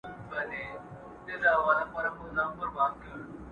د هندو او مرهټه په جنګ وتلی!.